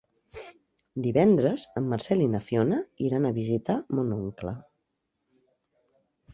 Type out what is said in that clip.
Divendres en Marcel i na Fiona iran a visitar mon oncle.